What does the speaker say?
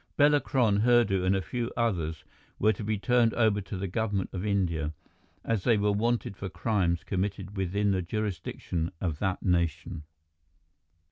Bela Kron, Hurdu, and a few others were to be turned over to the government of India, as they were wanted for crimes committed within the jurisdiction of that nation.